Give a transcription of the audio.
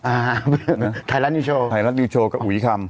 ไทยรัฐนิวโชว์ไทยรัฐนิวโชว์กับอุ๋ยคำ